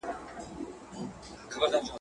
دا تور بدرنګه دا زامن د تیارو.